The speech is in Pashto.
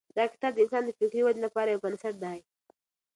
دا کتاب د انسان د فکري ودې لپاره یو بنسټ دی.